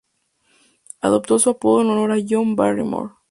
Adoptó su apodo en honor a John Barrymore.